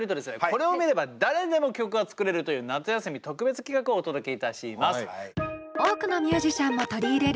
これを見れば誰でも曲が作れるという夏休み特別企画をお届けいたします！